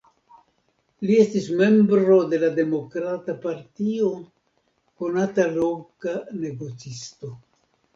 Li estis membro de la Demokrata Partio, konata loka negocisto.